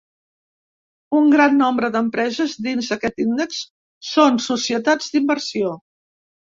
Un gran nombre d'empreses dins d'aquest índex són societats d'inversió.